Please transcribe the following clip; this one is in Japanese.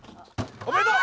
おめでとう！